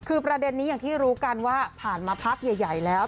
คือประเด็นนี้อย่างที่รู้กันว่าผ่านมาพักใหญ่แล้ว